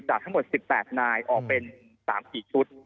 จากทั้งหมด๑๘นายออกเป็น๓กี่ชุด